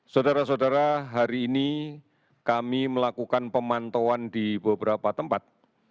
saudara saudara hari ini kami melakukan pemantauan di beberapa tempat